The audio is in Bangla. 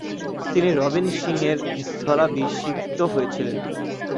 তিনি রবিন সিংয়ের স্থলাভিষিক্ত হয়েছিলেন।